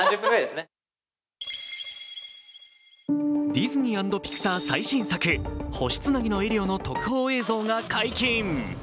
ディズニー＆ピクサー最新作「星つなぎのエリオ」の特報映像が解禁。